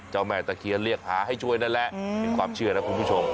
แม่ตะเคียนเรียกหาให้ช่วยนั่นแหละเป็นความเชื่อนะคุณผู้ชม